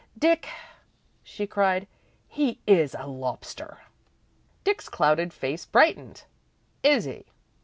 "Dick," she cried, "he is a lobster!" Dick's clouded face brightened. "Is he?"